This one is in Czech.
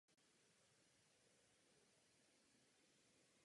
S judem začala v dětství.